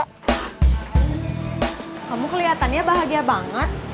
kamu keliatannya bahagia banget